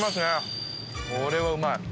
これはうまい。